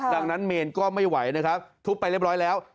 ดังนั้นเมนก็ไม่ไหวนะครับทุบไปเรียบร้อยแล้ว